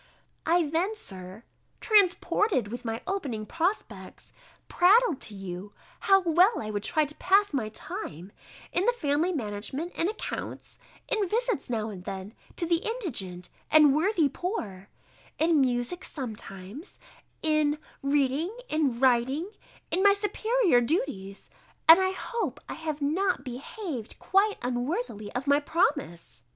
I then, Sir, transported with my opening prospects, prattled to you, how well I would try to pass my time, in the family management and accounts, in visits now and then to the indigent and worthy poor; in music sometimes; in reading, in writing, in my superior duties And I hope I have not behaved quite unworthily of my promise.